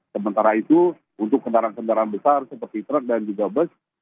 sementara itu untuk kendaraan kendaraan besar seperti truk dan juga bus